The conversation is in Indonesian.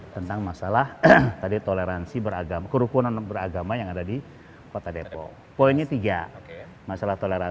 tentang masalah tadi toleransi beragama kerupunan beragama yang ada di kota depok poinnya tiga